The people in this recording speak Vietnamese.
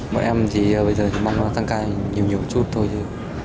bọn em thì bây giờ chỉ mong là tăng ca nhiều nhiều chút thôi